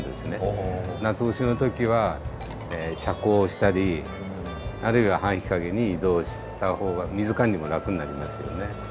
夏越しの時は遮光をしたりあるいは半日陰に移動した方が水管理も楽になりますよね。